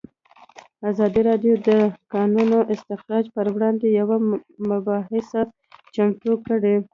ازادي راډیو د د کانونو استخراج پر وړاندې یوه مباحثه چمتو کړې.